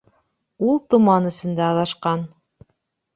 Ул томан эсендә аҙашҡан